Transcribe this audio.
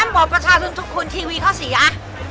ฉันบอกประชาสุนทุกคนทีวีเข้าสี่ย้า